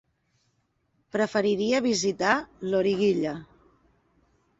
Preferiria visitar Loriguilla.